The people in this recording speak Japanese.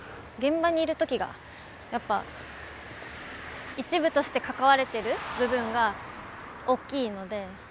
現場にいる時がやっぱ一部として関われている部分が大きいので。